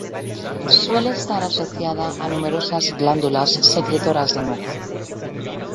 Suele estar asociada a numerosas glándulas secretoras de moco.